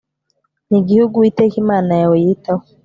Ni igihugu Uwiteka Imana yawe yitaho